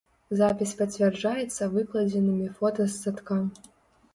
Запіс пацвярджаецца выкладзенымі фота з садка.